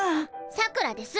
さくらです。